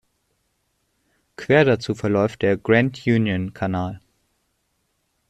Quer dazu verläuft der Grand-Union-Kanal.